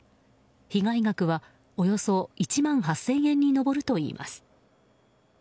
被害額はおよそ１万８０００円に上るといいます。